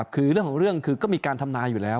คือเรื่องของเรื่องคือก็มีการทำนายอยู่แล้ว